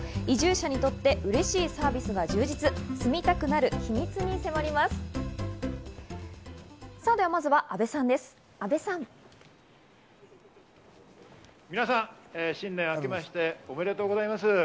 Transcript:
移住者にとって嬉しいサービスが充実、住みたくなる秘密に迫ります。